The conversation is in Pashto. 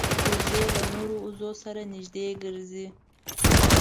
وزې له نورو وزو سره نږدې ګرځي